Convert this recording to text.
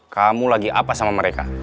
kamu lagi apa sama mereka